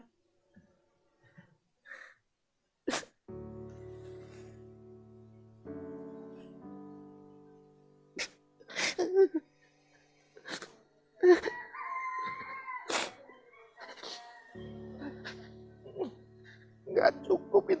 tidak cukup itu